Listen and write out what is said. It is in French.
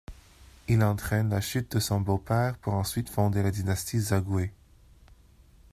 Il entraîne la chute de son beau-père pour ensuite fonder la dynastie Zagoué.